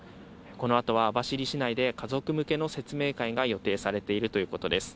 このあとは網走市内で家族向けの説明会が予定されているということです。